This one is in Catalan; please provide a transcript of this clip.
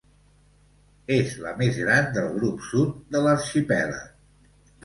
És la més gran del grup sud de l'arxipèlag.